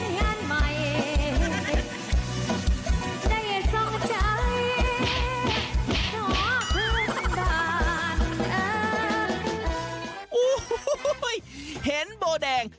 ฮุ้ยเห็นโบแดง